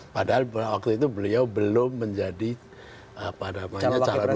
padahal waktu itu beliau belum menjadi calon presiden